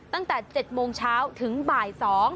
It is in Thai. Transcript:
ตั้งแต่๗โมงเช้าถึงบ่าย๒